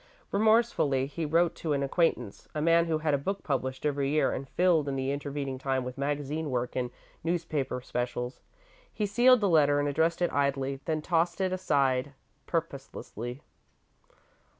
Remorsefully, he wrote to an acquaintance a man who had a book published every year and filled in the intervening time with magazine work and newspaper specials. He sealed the letter and addressed it idly, then tossed it aside purposelessly.